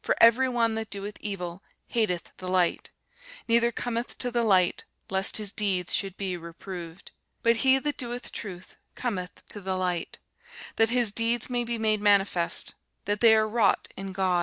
For every one that doeth evil hateth the light, neither cometh to the light, lest his deeds should be reproved. But he that doeth truth cometh to the light, that his deeds may be made manifest, that they are wrought in God.